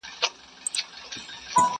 ګورئ تر خلوته چي خُمونه غلي غلي وړي!.”!.